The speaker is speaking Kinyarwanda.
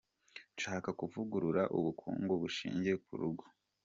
Nshaka kuvugurura ubukungu bushingiye ku rugo.